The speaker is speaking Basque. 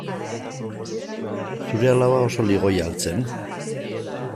Zure alaba oso ligoia al zen?